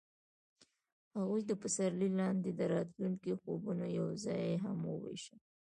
هغوی د پسرلی لاندې د راتلونکي خوبونه یوځای هم وویشل.